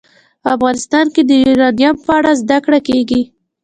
افغانستان کې د یورانیم په اړه زده کړه کېږي.